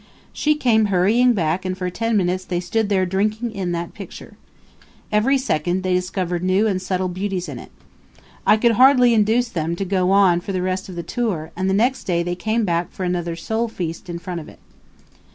"She came hurrying back and for ten minutes they stood there drinking in that picture. Every second they discovered new and subtle beauties in it. I could hardly induce them to go on for the rest of the tour, and the next day they came back for another soul feast in front of it."